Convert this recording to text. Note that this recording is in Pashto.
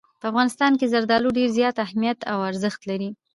په افغانستان کې زردالو ډېر زیات اهمیت او ارزښت لري.